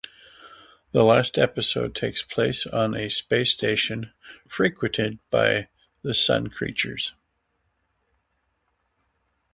The last episode takes place on a space station frequented by the Sun creatures.